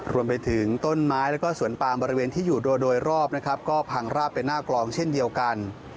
รวมไปถึงต้นไม้แล้วก็สวนปามบริเวณที่อยู่โดยรอบนะครับก็พังราบไปหน้ากลองเช่นเดียวกัน